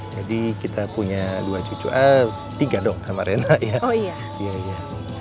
jadi kita punya dua cucu al tiga dong sama rena ya oh iya iya iya